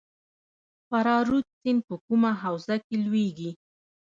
فرا رود سیند په کومه حوزه کې لویږي؟